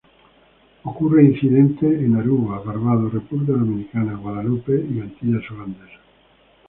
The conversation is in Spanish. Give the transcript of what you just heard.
Ocurre incidentalmente en Aruba, Barbados, República Dominicana, Guadalupe, Antillas Holandesas.